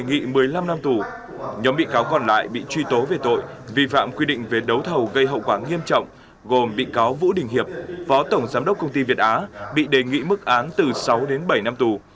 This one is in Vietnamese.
nhóm bị cáo còn lại bị truy tố về tội vi phạm quy định về đấu thầu gây hậu quả nghiêm trọng gồm bị cáo vũ đình hiệp phó tổng giám đốc công ty việt á bị đề nghị mức án từ sáu đến bảy năm tù